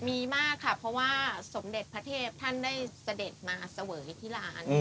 มีมากค่ะเพราะว่าสมเด็จพระเทพท่านได้เสด็จมาเสวยที่ร้าน